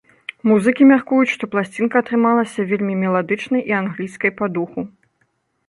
Музыкі мяркуюць, што пласцінка атрымалася вельмі меладычнай і англійскай па духу.